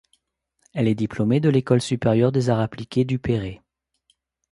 Elle est diplômée de l'École supérieure des arts appliqués Duperré.